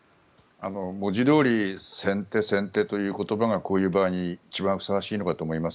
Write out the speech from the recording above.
文字どおり先手先手という言葉がこの場合一番ふさわしいのかと思います。